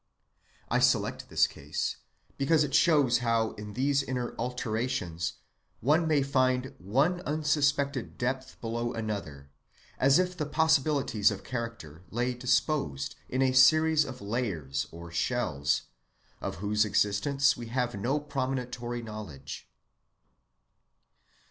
(98) I select this case because it shows how in these inner alterations one may find one unsuspected depth below another, as if the possibilities of character lay disposed in a series of layers or shells, of whose existence we have no premonitory knowledge.